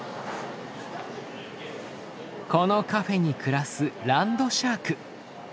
このカフェに暮らすランドシャーク。